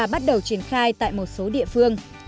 bắt đầu triển khai tại một số địa phương